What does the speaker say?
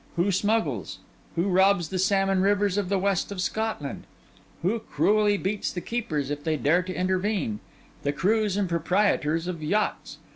Who smuggles? Who robs the salmon rivers of the West of Scotland? Who cruelly beats the keepers if they dare to intervene? The crews and the proprietors of yachts.